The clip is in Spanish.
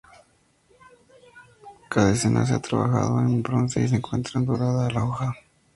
Cada escena se ha trabajado en bronce y se encuentra dorada a la hoja.